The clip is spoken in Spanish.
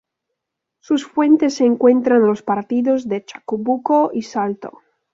Sus fuentes se encuentran en los partidos de Chacabuco y Salto.